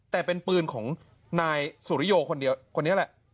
แต่เป็นปืนของนายสุริโยคนเดียวคนนี้แหละ